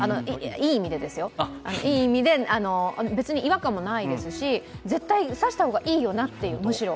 いい意味で別に違和感もないですし、絶対差した方がいいよなと、むしろ。